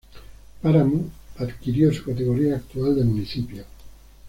Páramo adquirió su categoría actual de municipio.